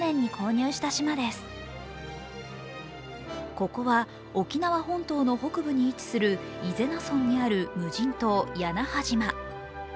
ここは沖縄本島の北部に位置する伊是名村にある無人島、屋那覇島。